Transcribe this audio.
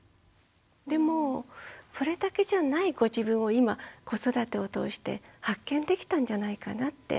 でもそれだけじゃないご自分を今子育てを通して発見できたんじゃないかなって。